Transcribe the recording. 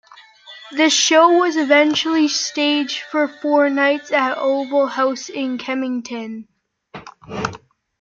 The show was eventually staged, for four nights, at Oval House in Kennington.